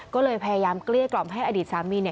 ก็เลยพยายามเกลี้ยกล่อมให้อดีตสามี